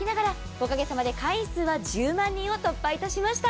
おかげさまで会員数は１０万人を突破いたしました。